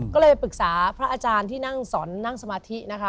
ก็เลยไปปรึกษาพระอาจารย์ที่นั่งสอนนั่งสมาธินะคะ